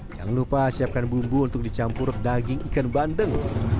jangan lupa siapkan bumbu untuk dicampur daging ikan bandeng